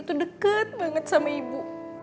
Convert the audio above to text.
kita tuh deket banget sama ibu